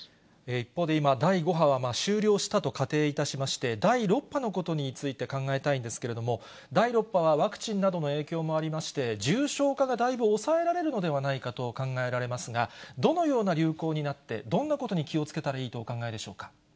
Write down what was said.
一方で、今、第５波は終了したと仮定いたしまして、第６波のことについて考えたいんですけれども、第６波は、ワクチンなどの影響もありまして、重症化がだいぶ抑えられるのではないかと考えられますが、どのような流行になって、どんなことに気をつけたらいいとお考えでしょうか。